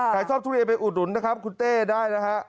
ใครชอบทุเรียนไปอุดหนุนนะครับคุณเต้ได้นะฮะ